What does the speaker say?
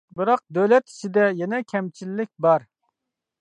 بىراق دۆلەت ئىچىدە يەنە كەمچىللىك بار.